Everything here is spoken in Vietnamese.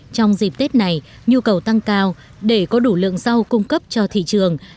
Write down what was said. trong dịp tết này nhu cầu tăng cao để có đủ lượng rau cung cấp cho thị trường